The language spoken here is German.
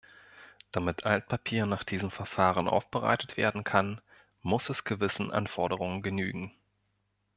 Damit Altpapier nach diesem Verfahren aufbereitet werden kann, muss es gewissen Anforderungen genügen.